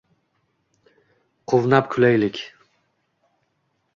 Quvnab kulaylik.